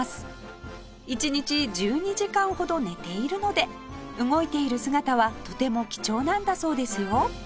１日１２時間ほど寝ているので動いている姿はとても貴重なんだそうですよ